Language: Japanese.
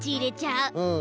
うん。